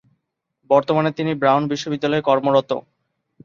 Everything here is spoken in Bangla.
বর্তমানে তিনি ব্রাউন বিশ্ববিদ্যালয়ে কর্মরত।